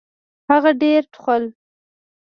هغه ډېر ټوخل .